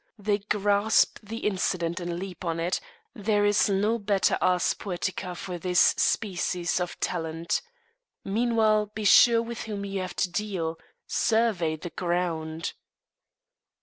They grasp the incident and leap on it; there is no better Ars Poetica for this species of talent. Meanwhile be sure with whom you have to deal. Survey the ground.